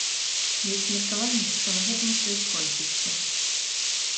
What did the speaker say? Ёсць меркаванне, што на гэтым усё і скончыцца.